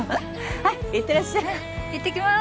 はい行ってらっしゃい行ってきまーす